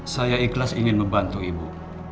saya ikhlas ingin membantu ibu